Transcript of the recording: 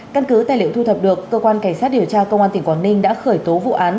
căn cứ tài liệu thu thập được cơ quan cảnh sát điều tra công an tỉnh quảng ninh đã khởi tố vụ án